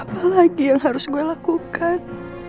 apalagi yang harus gue lakukan